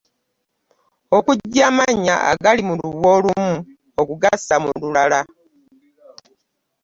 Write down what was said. Okuggya amannya agali mu lubu olumu okugassa mu lulala.